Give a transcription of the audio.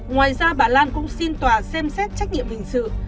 ngoài ra bà lan cũng xin tòa xem xét trách nhiệm hình sự